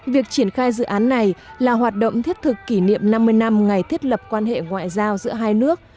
việc triển khai dự án này là hoạt động thiết thực kỷ niệm năm mươi năm ngày thiết lập quan hệ ngoại giao giữa hai nước